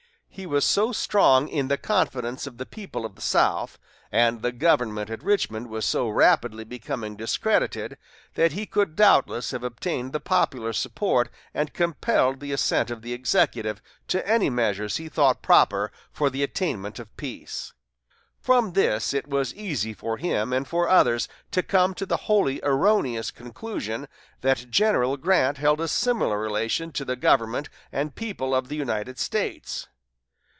He was so strong in the confidence of the people of the South, and the government at Richmond was so rapidly becoming discredited, that he could doubtless have obtained the popular support and compelled the assent of the Executive to any measures he thought proper for the attainment of peace. From this it was easy for him and for others to come to the wholly erroneous conclusion that General Grant held a similar relation to the government and people of the United States.